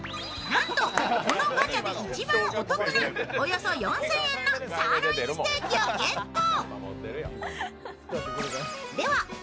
なんと、このガチャで一番お得なおよそ４０００円のサーロインステーキをゲット！